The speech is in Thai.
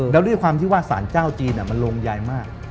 แล้วด้วยความที่ว่าสารเจ้าจีนมันลงยายมาก